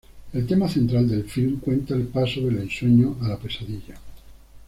El tema central del filme cuenta el paso del ensueño a la pesadilla.